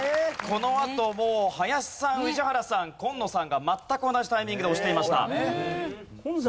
このあともう林さん宇治原さん紺野さんが全く同じタイミングで押していました。